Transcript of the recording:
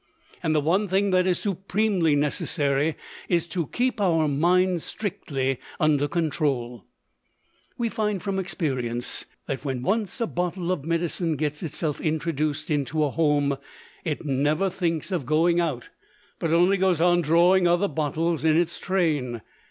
And the one thing that is supremely necessary is to keep our minds strictly under control. We find from experience that, when once a bottle of medicine gets itself introduced into a home, it never thinks of going out, but only goes on drawing other bottles in its train.